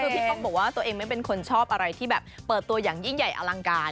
คือพี่ป๊อกบอกว่าตัวเองไม่เป็นคนชอบอะไรที่แบบเปิดตัวอย่างยิ่งใหญ่อลังการ